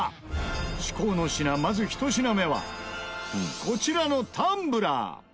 至高の品、まず１品目はこちらのタンブラー玉森：